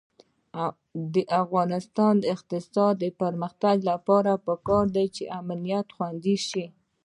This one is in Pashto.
د افغانستان د اقتصادي پرمختګ لپاره پکار ده چې امنیت خوندي شي.